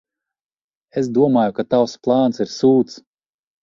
Es domāju, ka tavs plāns ir sūds.